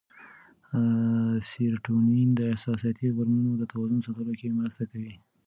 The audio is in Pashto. سېرټونین د احساساتي غبرګونونو د توازن ساتلو کې مرسته کوي.